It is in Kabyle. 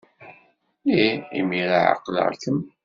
Ih, imir-a ɛeqleɣ-kem!